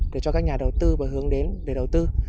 để cho các nhà đầu tư và hướng đến để đầu tư